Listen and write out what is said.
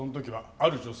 ある女性？